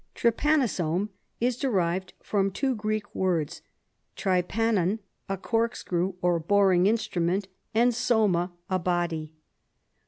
Trypanosome is derived from two Greek words, trypanon, a corkscrew or boring instrument, and soma, a body.